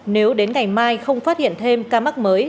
nếu đến ngày mai không phát hiện thêm ca mắc mới